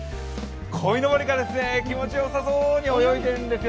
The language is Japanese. こいのぼりが気持ちよさそうに泳いでいるんですよ。